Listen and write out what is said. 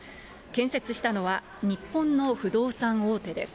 建設したのは日本の不動産大手です。